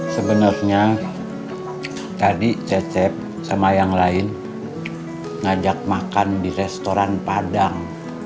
sebenarnya tadi cecep sama yang lain ngajak makan di restoran padang